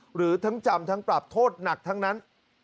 หรือทั้งจำทั้งปรับโทษหนักทั้งนั้น